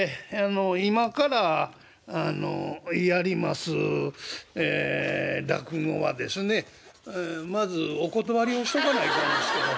今からやります落語はですねまずお断りをしとかないかんですけど。